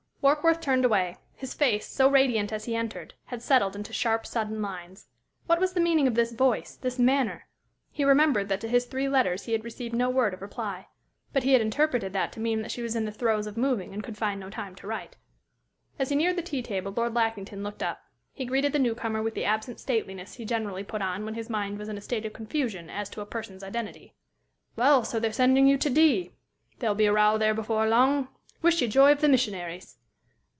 Warkworth turned away. His face, so radiant as he entered, had settled into sharp, sudden lines. What was the meaning of this voice, this manner? He remembered that to his three letters he had received no word of reply. But he had interpreted that to mean that she was in the throes of moving and could find no time to write. As he neared the tea table, Lord Lackington looked up. He greeted the new comer with the absent stateliness he generally put on when his mind was in a state of confusion as to a person's identity. "Well, so they're sending you to D ? There'll be a row there before long. Wish you joy of the missionaries!"